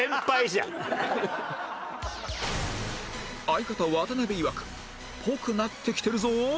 相方渡辺いわくっぽくなってきてるぞ